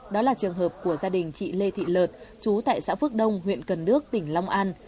đó là trường hợp của gia đình chị lê thị lợt chú tại xã phước đông huyện cần đước tỉnh long an